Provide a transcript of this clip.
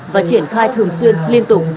và triển khai thường xuyên liên tục